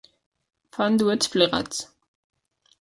Fan duets plegats.